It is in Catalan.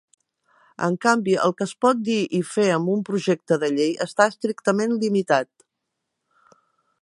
En canvi, el que es pot dir i fer amb un projecte de llei està estrictament limitat.